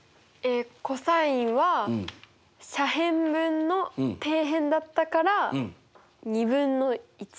ｃｏｓは斜辺分の底辺だったから２分の１。